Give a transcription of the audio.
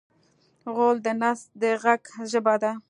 غول د نس د غږ ژبه ده.